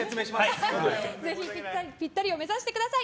ぜひぴったりを目指してください。